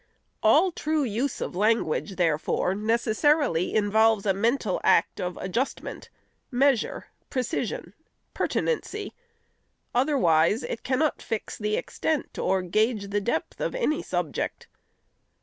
All true use of language, therefore, necessarily involves a mental act of adjustment, measure, precision, pertinency ; otherwise it cannot fix the extent or gauge the depth of any subject.